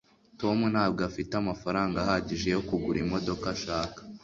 tom ntabwo afite amafaranga ahagije yo kugura imodoka ashaka